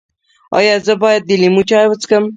ایا زه باید د لیمو چای وڅښم؟